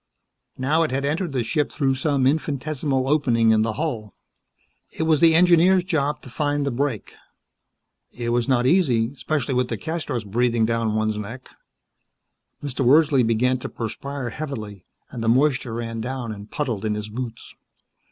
Now it had entered the ship through some infinitesimal opening in the hull. It was the engineer's job to find that break. It was not easy, especially with DeCastros breathing down one's neck. Mr. Wordsley began to perspire heavily, and the moisture ran down and puddled in his boots.